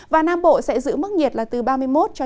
và nam bộ sẽ giữ mức nhiệt là từ ba mươi một ba mươi ba độ